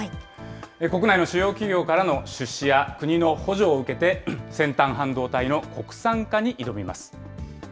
国内の主要企業からの出資や国の補助を受けて、先端半導体の国産化に挑みます。